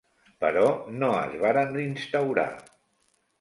Però no es varen instaurar.